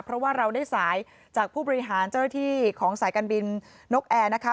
เพราะว่าเราได้สายจากผู้บริหารเจ้าหน้าที่ของสายการบินนกแอร์นะคะ